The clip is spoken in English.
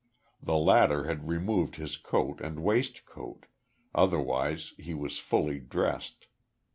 The latter had removed his coat and waistcoat, otherwise he was fully dressed.